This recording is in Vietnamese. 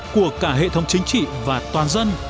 của cả hệ thống chính trị và toàn dân